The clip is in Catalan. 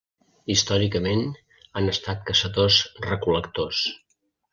Històricament han estat caçadors-recol·lectors.